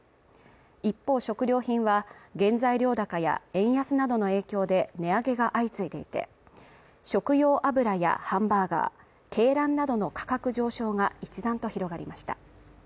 一方食料品は原材料高や円安などの影響で値上げが相次いでいて、食用油やハンバーガー、鶏卵などの価格上昇が一段と広がりました。